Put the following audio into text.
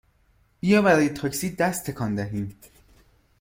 بیا برای تاکسی دست تکان دهیم!